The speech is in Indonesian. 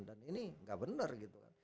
dan ini gak bener gitu kan